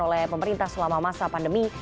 oleh pemerintah selama masa pandemi